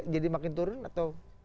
jadi makin turun atau